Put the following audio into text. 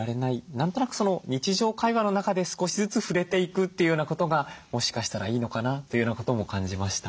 何となく日常会話の中で少しずつ触れていくっていうようなことがもしかしたらいいのかなというようなことも感じました。